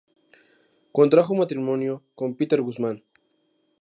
Contrajo matrimonio con Peter Guzman.